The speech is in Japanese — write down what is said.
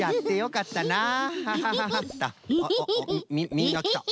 みんなきた。